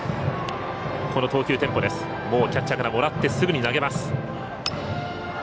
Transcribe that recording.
投球テンポ、キャッチャーからもらってすぐに投げます。